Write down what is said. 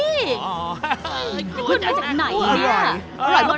คุณมาจากไหนเนี่ย